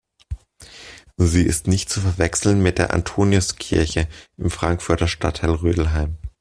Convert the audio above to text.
Sie ist nicht zu verwechseln mit der Antoniuskirche im Frankfurter Stadtteil Rödelheim.